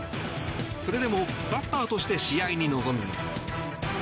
それでもバッターとして試合に臨みます。